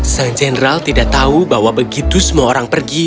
sang jenderal tidak tahu bahwa begitu semua orang pergi